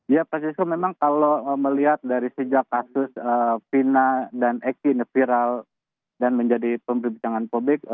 ya pak siswa memang kalau melihat dari sejak kasus pina dan eki ini viral dan menjadi pembicaraan publik